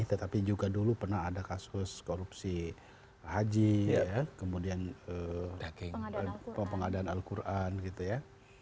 tetapi juga dulu pernah ada kasus korupsi haji kemudian pengadaan al quran gitu ya